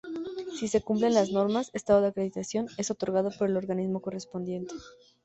Si se cumplen las normas, estado de acreditación es otorgada por el organismo correspondiente.